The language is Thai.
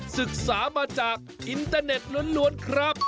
ศึกษามาจากอินเตอร์เน็ตล้วนครับ